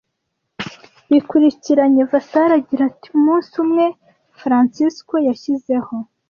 Bikurikiranye. Vasari agira ati: "Umunsi umwe Francesco yishyizeho